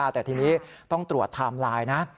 แต่ทีนี้ต้องตรวจไทม์ไลน์นะ